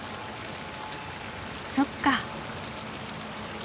そっか。